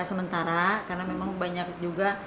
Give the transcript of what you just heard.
sementara karena memang banyak juga